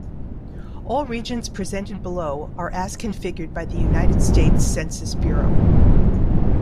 All regions presented below are as configured by the United States Census Bureau.